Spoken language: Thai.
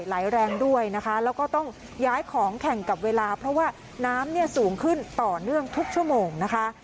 ไหลแรงด้วยนะคะแล้วก็ต้องย้ายของแข่งกับเวลาเพราะว่าน้ำเนี่ยสูงขึ้นต่อเนื่องทุกชั่วโมงนะคะ